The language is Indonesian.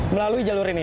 melalui jalur ini